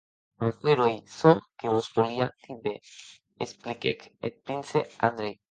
Aquerò ei çò que vos volia díder, expliquèc eth prince Andrei.